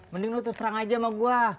mending lu terserang aja sama gua